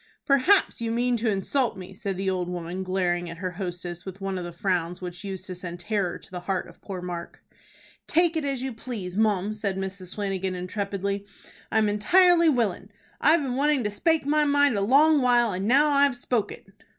"Perhaps you mean to insult me," said the old woman, glaring at her hostess with one of the frowns which used to send terror to the heart of poor Mark. "Take it as you please, mum," said Mrs. Flanagan, intrepidly. "I'm entirely willin'. I've been wanting to spake my mind a long while, and now I've spoke it."